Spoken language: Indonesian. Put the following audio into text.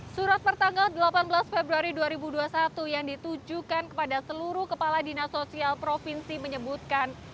surat pertanggal delapan belas februari dua ribu dua puluh satu yang ditujukan kepada seluruh kepala dinas sosial provinsi menyebutkan